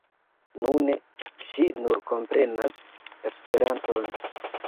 Nune ŝi nur komprenas Esperanton.